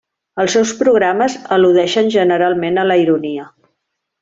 Els seus programes al·ludeixen generalment a la ironia.